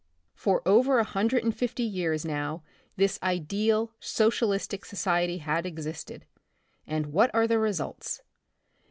For over a hundred and fifty years, now, this ideal socialistic society had existed, and what are the results?